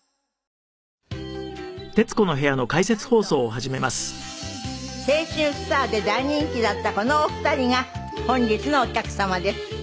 なんと青春スターで大人気だったこのお二人が本日のお客様です。